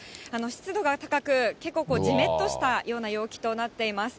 湿度が高く、結構じめっとしたような陽気となっています。